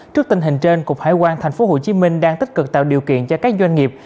trước tình hình trên cục hải quan tp hcm đang tích cực tạo điều kiện cho các doanh nghiệp